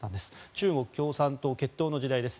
中国共産党結党の時代です。